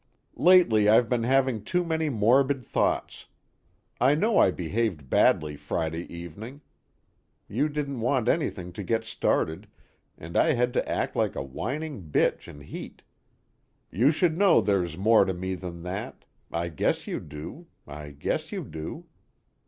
"Lately I've been having too many morbid thoughts. I know I behaved badly Friday evening you didn't want anything to get started, and I had to act like a whining bitch in heat. You should know there's more to me than that I guess you do, I guess you do.